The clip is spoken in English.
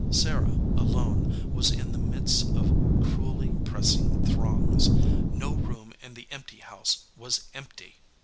Sarah, alone, was in the midst of cruelly pressing throngs. No room in the empty house was empty.